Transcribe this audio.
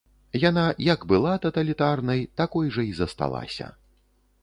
Яна, як была таталітарнай, такой жа і засталася.